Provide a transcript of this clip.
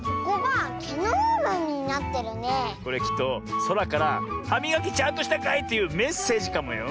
これきっとそらから「はみがきちゃんとしたかい？」というメッセージかもよ。